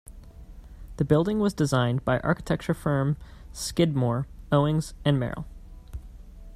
The building was designed by architecture firm Skidmore, Owings and Merrill.